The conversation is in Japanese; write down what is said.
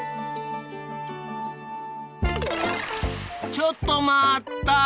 ちょっと待った！